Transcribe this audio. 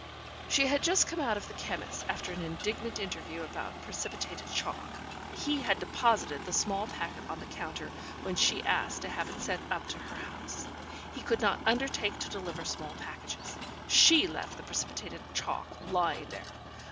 She had just come out of the chemist's, after an indignant interview about precipitated chalk. He had deposited the small packet on the counter, when she asked to have it sent up to her house. He could not undertake to deliver small packages. She left the precipitated chalk lying there.